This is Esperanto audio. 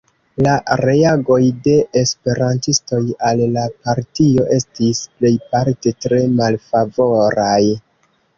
La reagoj de esperantistoj al la partio estis plejparte tre malfavoraj.